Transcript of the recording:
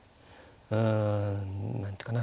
うん何ていうかな